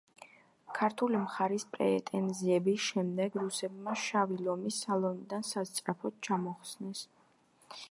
ქართული მხარის პრეტენზიების შემდეგ, რუსებმა „შავი ლომი“ სალონიდან სასწრაფოდ ჩამოხსნეს.